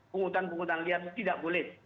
pungutan pungutan liar tidak boleh